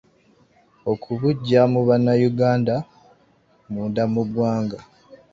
Okubuggya mu bannayuganda munda mu ggwanga.